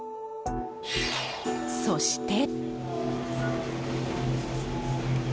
そして。